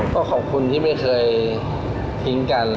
ก็ขอบคุณที่ไม่เคยทิ้งกัน